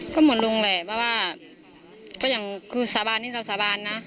ก็หมดลงแหละเพราะว่าคือสาบานนี่สาบานนะ